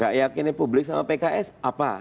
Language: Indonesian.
gak yakini publik sama pks apa